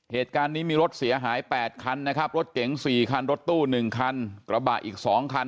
เหตุการณ์นี้มีรถเสียหาย๘คันนะครับรถเก๋ง๔คันรถตู้๑คันกระบะอีก๒คัน